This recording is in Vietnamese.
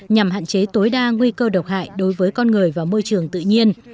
nhằm hạn chế tối đa nguy cơ độc hại đối với con người và môi trường tự nhiên